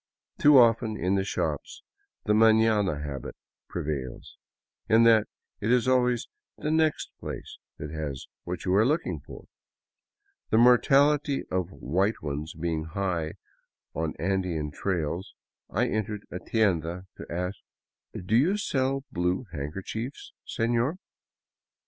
Too often, in the shops, the maiiana habit prevails, — in that it is always the next place that has what you are looking for. The mortality of white ones being high on Andean trails, I entered a tienda to ask: " Do you sell blue handkerchiefs, seiior?